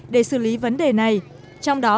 để xử lý vấn đề này trong đó